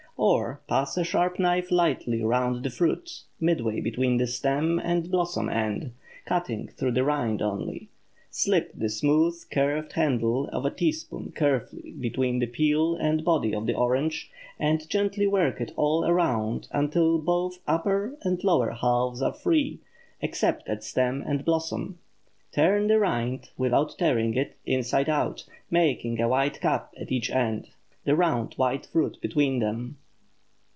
Or, pass a sharp knife lightly around the fruit, midway between the stem and blossom end, cutting through the rind only. Slip the smooth curved handle of a teaspoon carefully between the peel and body of the orange, and gently work it all around until both upper and lower halves are free, except at stem and blossom. Turn the rind, without tearing it, inside out, making a white cup at each end—the round white fruit between them.